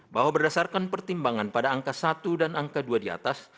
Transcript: bahwa berdasarkan pertimbangan pada angka satu dan angka dua di atas